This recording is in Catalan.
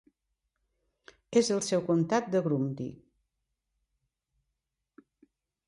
És la seu del comtat de Grundy.